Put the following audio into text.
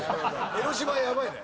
江の島やばいね。